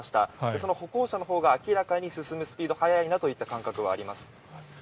その歩行者のほうが明らかに進むスピードは速いなという感覚はあります。